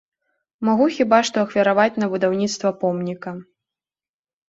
Магу хіба што ахвяраваць на будаўніцтва помніка.